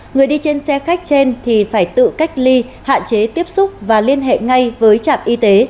người đi trên xe khách trên thì phải tự cách ly hạn chế tiếp xúc và liên hệ ngay với trạm y tế